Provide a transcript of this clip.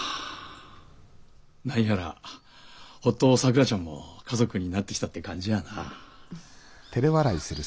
何やらほっとさくらちゃんも家族になってきたって感じやな。